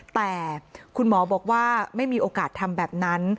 แต่คุณหมอบอกว่าไม่มีโอกาสทำแบบนั้น